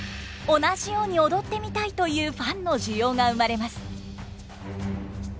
同じように踊ってみたい！」というファンの需要が生まれます。